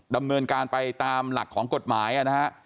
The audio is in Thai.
ดำเนินการไปตามหลักของกฎหมายนะฮะ